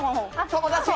友達？